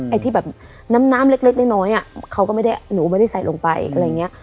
ไอ้ที่แบบน้ำน้ำเล็กน้อยเขาก็ไม่ได้หนูไม่ได้ใส่ลงไปอะไรอย่างนี้